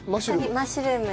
マッシュルーム。